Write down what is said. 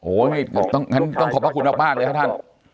งั้นต้องขอบพระคุณมากเลยครับท่าน